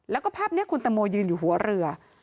แล้วก็ภาพนี้คุณตังโมยืนอยู่หัวเรือ